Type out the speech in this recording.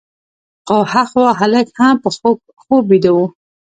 خو هخوا خلک لا هم په خوږ خوب ویده وو.